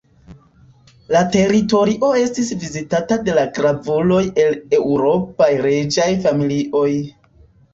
La teritorio estis vizitata de gravuloj el eŭropaj reĝaj familioj.